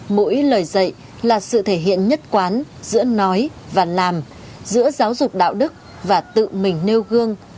mỗi lời dạy là sự thể hiện nhất quán giữa nói và làm giữa giáo dục đạo đức và tự mình nêu gương